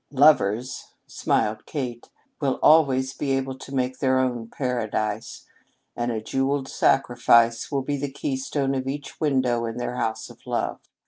"Lovers," smiled Kate, "will always be able to make their own paradise, and a jewelled sacrifice will be the keystone of each window in their house of love.